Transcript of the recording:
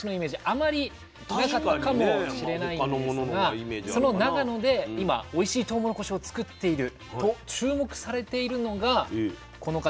あまりなかったかもしれないんですがその長野で今おいしいとうもろこしを作っていると注目されているのがこの方です。